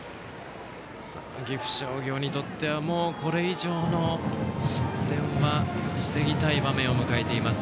岐阜商業にとってはこれ以上の失点は防ぎたい場面を迎えています。